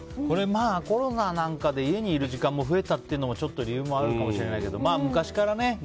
これまあ、コロナなんかで家にいる時間も増えたというのも理由にあるかもしれないけどまあ、昔からね